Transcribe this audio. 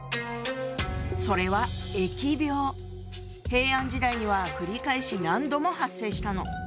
それは平安時代には繰り返し何度も発生したの。